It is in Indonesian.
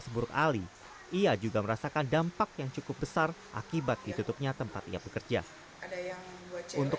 seburuk ali ia juga merasakan dampak yang cukup besar akibat ditutupnya tempatnya pekerja untuk